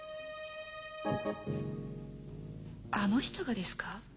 あの人がですか？